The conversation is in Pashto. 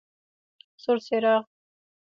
سور څراغ: